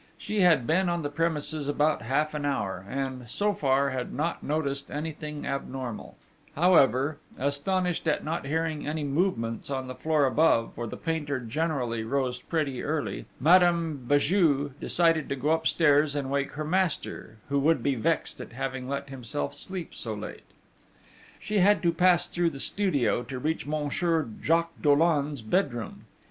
She had been on the premises about half an hour, and, so far, had not noticed anything abnormal; however, astonished at not hearing any movements on the floor above, for the painter generally rose pretty early, Madame Béju decided to go upstairs and wake her master, who would be vexed at having let himself sleep so late. She had to pass through the studio to reach Monsieur Jacques Dollon's bedroom.